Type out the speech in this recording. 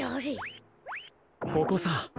ここさ。